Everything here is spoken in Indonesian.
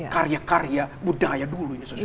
karya karya budaya dulu ini